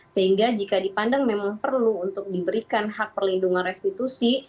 sehingga jika dipandang memang perlu untuk diberikan hak perlindungan restitusi